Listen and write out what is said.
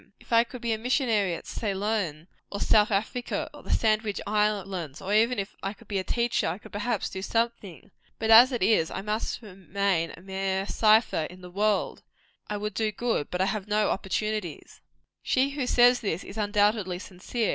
If I could be a missionary at Ceylon, or South Africa, or the Sandwich Islands, or even if I could be a teacher, I could, perhaps, do something. But as it is, I must remain a mere cypher in the world. I would do good, but I have no opportunities." She who says this, is undoubtedly sincere.